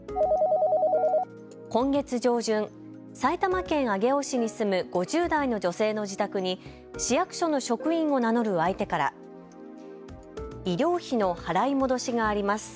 今月上旬、埼玉県上尾市に住む５０代の女性の自宅に市役所の職員を名乗る相手から医療費の払い戻しがあります。